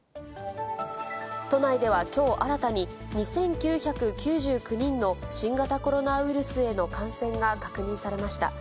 都内ではきょう新たに、２９９９人の新型コロナウイルスへの感染が確認されました。